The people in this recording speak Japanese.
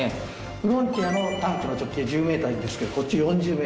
ふろんてぃあのタンクの直径１０ｍですけどこっち４０ｍ。